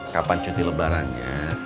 kapan cuti lebarannya